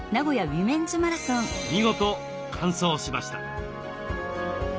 見事完走しました。